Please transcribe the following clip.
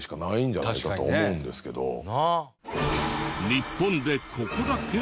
日本でここだけ？